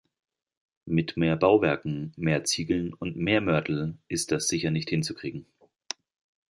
Mit mehr Bauwerken, mehr Ziegeln und mehr Mörtel ist das sicher nicht hinzukriegen.